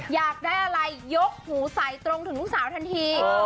อยากได้อะไรยกหูใส่ตรงถึงลูกสาวทันที